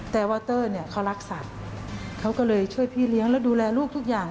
แต่ว่าเตอร์เนี่ยเขารักสัตว์เขาก็เลยช่วยพี่เลี้ยงแล้วดูแลลูกทุกอย่าง